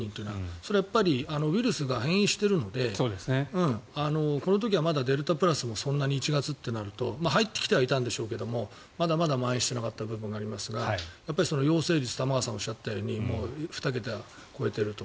それはウイルスが変異しているのでこの時はまだデルタプラスも１月となると入ってきてはいたんでしょうけどまだまだまん延していなかった部分もありますが陽性率は玉川さんがおっしゃったように２桁を超えていると。